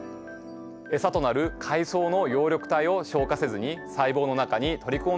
エサとなる海藻の葉緑体を消化せずに細胞の中に取り込んでしまうんです。